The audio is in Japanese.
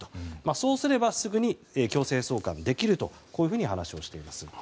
そうすれば、すぐに強制送還できると話をしています。